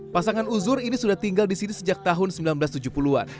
pasangan uzur ini sudah tinggal di sini sejak tahun seribu sembilan ratus tujuh puluh an